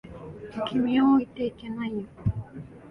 君を置いていけないよ。